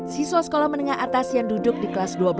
siswa sekolah menengah atas yang duduk di kelas dua belas